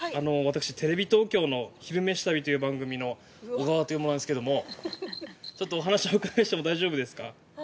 私テレビ東京の「昼めし旅」という番組の小川という者なんですけどもちょっとお話お伺いしても大丈夫ですか？